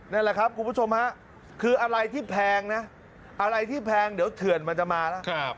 นั่นแหละครับคุณผู้ชมฮะคืออะไรที่แพงนะอะไรที่แพงเดี๋ยวเถื่อนมันจะมาแล้ว